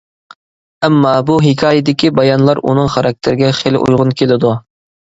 ئەمما، بۇ ھېكايىدىكى بايانلار ئۇنىڭ خاراكتېرىگە خېلى ئۇيغۇن كېلىدۇ.